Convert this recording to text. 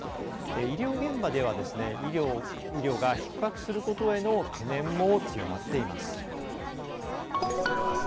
医療現場では医療がひっ迫することへの懸念も強まっています。